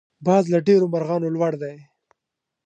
باز له ډېرو مرغانو لوړ دی